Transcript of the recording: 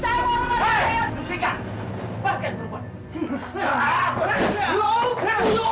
saya tidak tahu